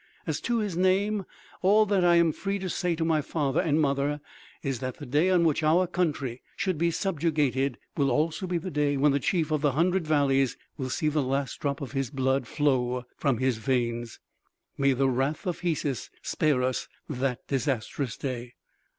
As to his name, all that I am free to say to my father and mother is that the day on which our country should be subjugated will also be the day when the Chief of the Hundred Valleys will see the last drop of his blood flow from his veins. May the wrath of Hesus spare us that disastrous day!"